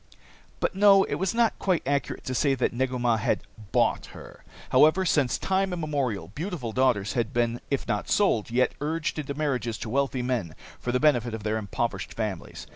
But no, it was not quite accurate to say that Negu Mah had bought her. However, since time immemorial beautiful daughters had been, if not sold, yet urged into marriages to wealthy men for the benefit of their impoverished families.